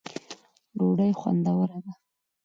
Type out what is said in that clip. ډوډۍ خوندوره ده